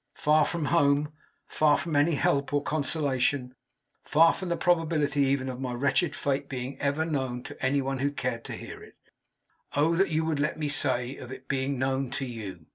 Far from home, far from any help or consolation; far from the probability even of my wretched fate being ever known to any one who cared to hear it oh, that you would let me say, of being known to you!